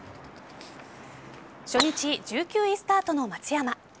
初日１９位スタートの松山。